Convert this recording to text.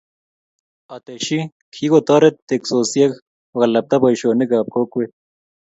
Ateshi, kikotoret teksosiek kokalbta boishionik ab kowket